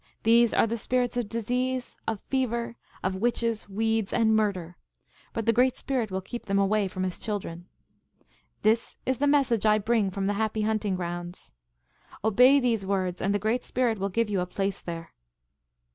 These are the spirits of disease, of fever, of witches, weeds, and murder. But the Great Spirit will keep them away from his children. " This is the message I bring from the happy hunt ing grounds. Obey these words, and the Great Spirit will give you a place there."